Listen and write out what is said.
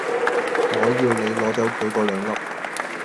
我要你攞走佢果兩粒